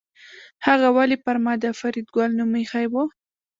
هغه ولې پر ما د فریدګل نوم ایښی و